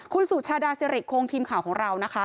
คุณสุชาดาสิริคงทีมข่าวของเรานะคะ